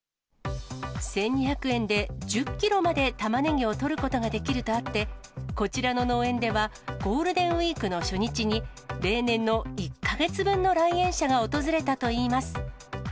１２００円で１０キロまでたまねぎを取ることができるとあって、こちらの農園では、ゴールデンウィークの初日に、例年の１か月分の来園者が訪れたといいます。